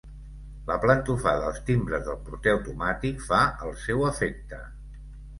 La plantofada als timbres del porter automàtic fa el seu efecte.